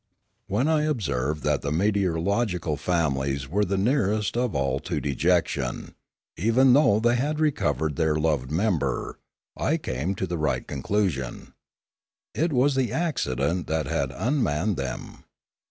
When I observed that the meteorological families were the nearest of all to dejection, even though they had recovered their loved member, I came to the right conclusion. It was the accident that had unmanned them.